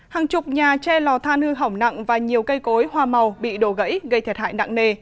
hàng chục nhà che lò than hư hỏng nặng và nhiều cây cối hoa màu bị đổ gãy gây thiệt hại nặng nề